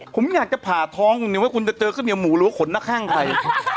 ผมอยากจะผ่าท้องคุณนี้ว่าคุณจะเจอเครื่องเมียหมูรูขนหน้าข้างใคร